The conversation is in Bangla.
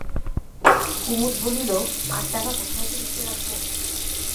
কুমুদ বলিল, আর টাকা কোথায় যে লুকিয়ে রাখব?